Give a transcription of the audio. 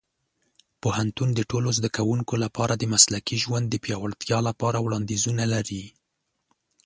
پوهنتون د ټولو زده کوونکو لپاره د مسلکي ژوند د پیاوړتیا لپاره وړاندیزونه لري.